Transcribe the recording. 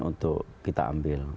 untuk kita ambil